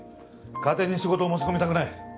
家庭に仕事を持ち込みたくない。